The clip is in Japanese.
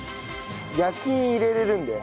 焼き印入れられるんで。